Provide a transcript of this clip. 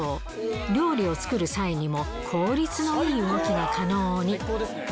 料理を作る際にも効率のいい動きが可能に。